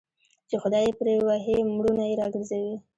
چي خداى يې پري وهي مړونه يې راگرځوي